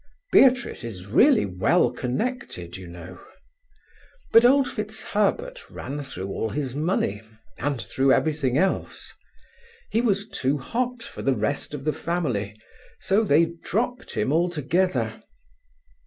Beatrice is really well connected, you know. But old FitzHerbert ran through all his money, and through everything else. He was too hot for the rest of the family, so they dropped him altogether.